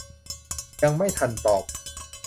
ยังไม่ทันตอบ